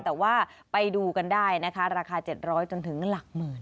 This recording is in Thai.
แต่ว่าไปดูกันได้นะคะราคา๗๐๐จนถึงหลักหมื่น